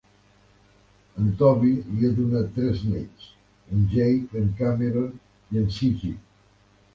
En Toby li ha donat tres néts, en Jake, en Cameron i en Ziggy.